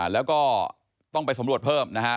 แล้วก็ต้องไปสำรวจเพิ่มนะครับ